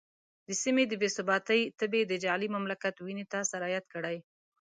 د سیمې د بې ثباتۍ تبې د جعلي مملکت وینې ته سرایت کړی.